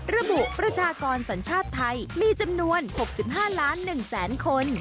ประชากรสัญชาติไทยมีจำนวน๖๕ล้าน๑แสนคน